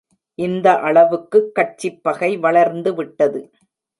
இந்த அளவுக்குக் கட்சிப் பகை வளர்ந்துவிட்டது.